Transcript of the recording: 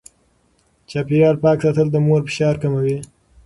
چاپېريال پاک ساتل د مور فشار کموي.